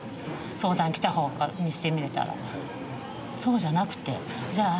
相談来たほうにしてみたらそうじゃなくてじゃあ